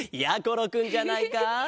ころくんじゃないか。